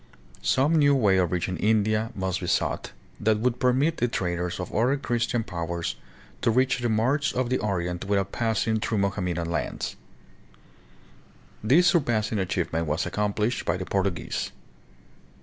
Some new way of reaching India must be sought, that would permit the traders of other Christian powers to reach the marts of the Orient without passing through Mohammedan lands. This surpassing achievement was accomplished by the Portuguese.